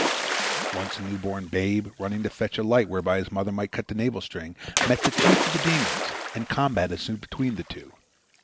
Once a new born babe, running to fetch a light whereby his mother might cut the navel string, met the chief of the demons, and a combat ensued between the two.